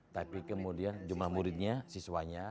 tapi kemudian jumlah muridnya siswanya